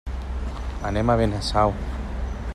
Anem a Benasau.